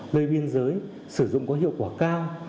lơi biên giới sử dụng có hiệu quả cao